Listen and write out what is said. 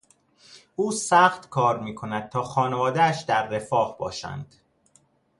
او سخت کار میکند تا خانوادهاش در رفاه باشند.